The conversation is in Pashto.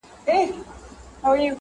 زه اتل یم قهرمان بم پکی سمت ممت نه منمه